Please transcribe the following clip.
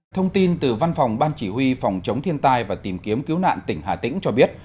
thông tin từ văn phòng ban chỉ huy phòng chống thiên tai và tìm kiếm cứu nạn tỉnh hà tĩnh cho biết